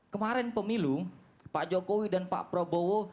kemarin pemilu pak jokowi dan pak prabowo